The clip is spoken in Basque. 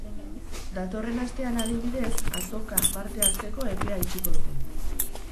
Datorren astean, adibidez, azokan parte hartzeko epea itxiko dute.